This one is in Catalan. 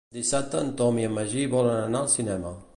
Dissabte en Tom i en Magí volen anar al cinema.